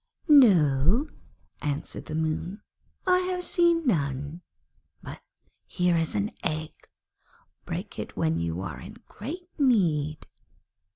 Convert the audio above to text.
'No,' answered the Moon, 'I have seen none; but here is an egg. Break it when you are in great need.'